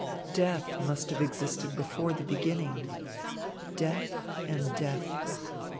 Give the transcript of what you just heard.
Death must have existed before the beginning. Death and death!